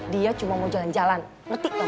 dia cuma mau jalan jalan ngetik